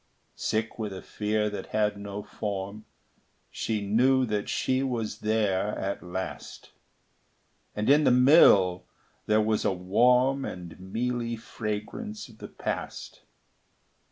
Sick with a fear that had no form She knew that she was there at last; And in the mill there was a warm And mealy fragrance of the past.